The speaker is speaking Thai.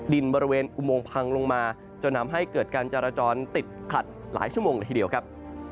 ดินบริเวณอุโมงพังลงมาจนทำให้เกิดการจราจรติดขัดหลายชั่วโมงเลยทีเดียวครับ